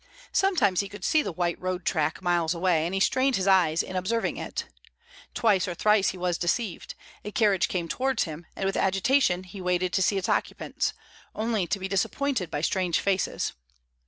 Sometimes he could see the white road track miles away, and he strained his eyes in observing it. Twice or thrice he was deceived; a carriage came towards him, and with agitation he waited to see its occupants, only to be disappointed by strange faces.